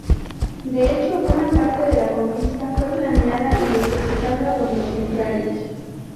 De hecho, buena parte de la conquista fue planeada y ejecutada por los templarios.